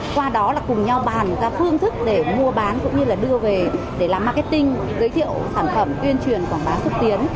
qua đó là cùng nhau bàn ra phương thức để mua bán cũng như là đưa về để làm marketing giới thiệu sản phẩm tuyên truyền quảng bá xúc tiến